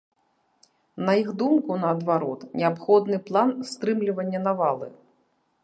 На іх думку, наадварот, неабходны план стрымлівання навалы.